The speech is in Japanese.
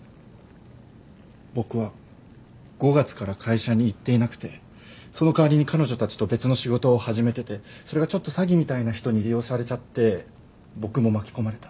僕は５月から会社に行っていなくてその代わりに彼女たちと別の仕事を始めててそれがちょっと詐欺みたいな人に利用されちゃって僕も巻き込まれた。